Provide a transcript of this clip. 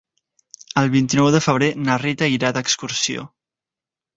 El vint-i-nou de febrer na Rita irà d'excursió.